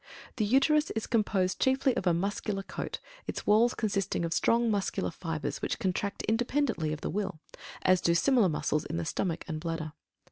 The Uterus is composed chiefly of a muscular coat, its walls consisting of strong muscular fibres which contract independently of the will, as do similar muscles in the stomach and bladder.